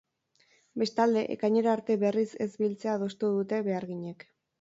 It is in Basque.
Bestalde, ekainera arte berriz ez biltzea adostu dute beharginek.